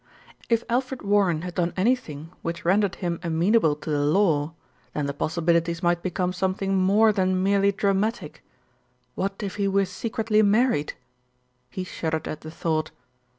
If Alfred Warren had done anything which rendered him amenable to the law, then the possibilities might become something more than merely dramatic. What if he were secretly married? He shuddered at the thought.